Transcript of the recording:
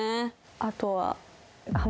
あとは。